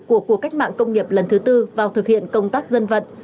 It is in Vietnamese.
của cuộc cách mạng công nghiệp lần thứ tư vào thực hiện công tác dân vận